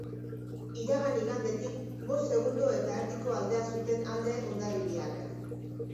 Iragan igandetik, bost segundo eta erdiko aldea zuten alde hondarribiarrek.